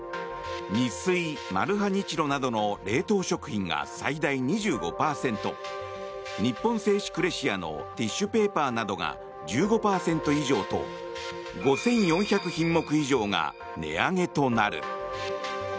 ニッスイ、マルハニチロなどの冷凍食品が最大２５％日本製紙クレシアのティッシュペーパーなどが１５％以上と５４００品目以上が値上げとなる。